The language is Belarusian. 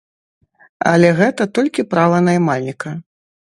Але гэта толькі права наймальніка!